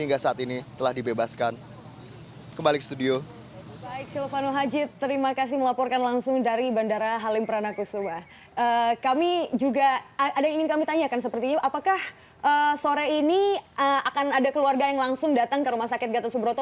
kami juga ada yang ingin kami tanyakan sepertinya apakah sore ini akan ada keluarga yang langsung datang ke rumah sakit gatot subroto